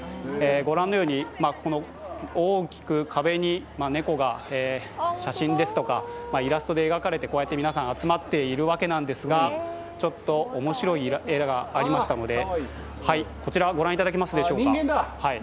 ご覧のように大きく壁に猫が写真ですとかイラストで描かれて、こうやって皆さん集まっているわけですが、ちょっと面白い絵がありましたので、こちらご覧いただけますでしょうか。